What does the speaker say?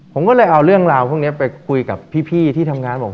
ผมก็เลยเอาเรื่องราวพวกนี้ไปคุยกับพี่ที่ทำงานบอก